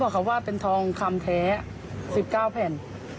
เขาว่าเป็นทองคำแท้๑๙แผ่น